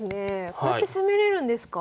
こうやって攻めれるんですか。